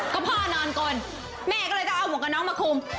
ก็พ่อนอนก่อนแม่ก็เลยจะเอาหมวกนอกมาคุม